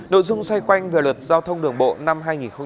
nội dung xoay quanh về luật giao thông đường bộ năm hai nghìn tám